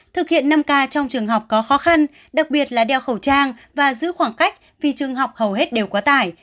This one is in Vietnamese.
thực hiện năm k trong trường học có khó khăn đặc biệt là đeo khẩu trang và giữ khoảng cách vì trường học hầu hết đều quá tải